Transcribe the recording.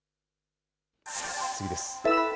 次です。